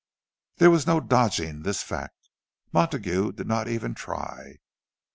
There was no dodging this fact—Montague did not even try.